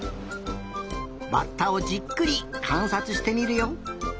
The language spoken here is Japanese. バッタをじっくりかんさつしてみるよ。